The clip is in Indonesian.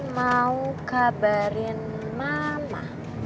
mau kabarin mama